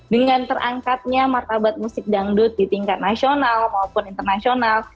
dengan terangkatnya martabat musik dangdut di tingkat nasional maupun internasional